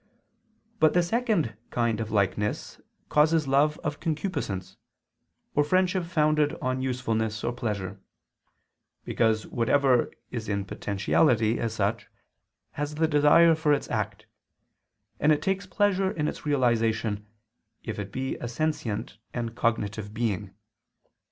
But the second kind of likeness causes love of concupiscence, or friendship founded on usefulness or pleasure: because whatever is in potentiality, as such, has the desire for its act; and it takes pleasure in its realization, if it be a sentient and cognitive being.